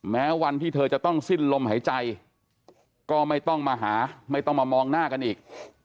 แม้วันที่เธอจะต้องสิ้นลมหายใจก็ไม่ต้องมาหาไม่ต้องมามองหน้ากันอีก